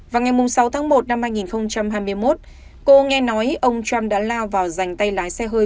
vào ngày sáu tháng một năm hai nghìn hai mươi một cô nghe nói ông trump đã lao vào dành tay lái xe hơi